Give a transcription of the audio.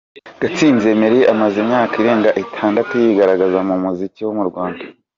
Gatsinzi Emery amaze imyaka irenga itandatu yigaragaza mu muziki wo mu Rwanda .